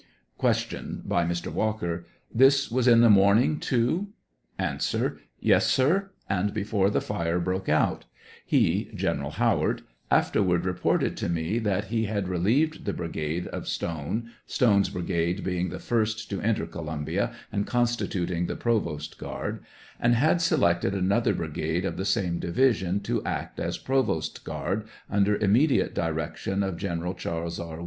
Q. By Mr. Walker : This was in the morning, too ? A. Yes, sir ; and before the fire broke out ; he (General Howard) afterward reported to me that he had relieved the brigade of Stone — Stone's brigade being the first to enter Columbia, and constituting the pro vost guard — and had selected another brigade of the same division to act as provost guard, under immediate direction of General Charles R.